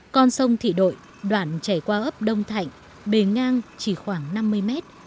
con sông thị đội đoạn chảy qua ấp đông thạnh bề ngang chỉ khoảng năm mươi mét